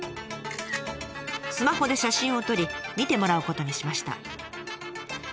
スマホで写真を撮り見てもらうことにしました。